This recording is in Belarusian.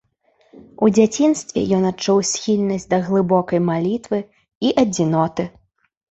У дзяцінстве ён адчуў схільнасць да глыбокай малітвы і адзіноты.